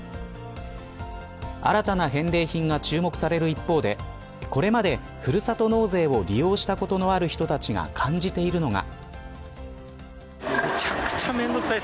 新たな返礼品が注目される一方でこれまで、ふるさと納税を利用したことのある人たちが感じているのが。